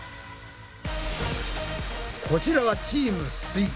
こちらはチームすイ。